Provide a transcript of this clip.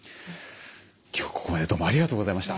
今日はここまでどうもありがとうございました。